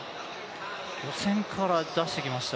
予選から出してきました。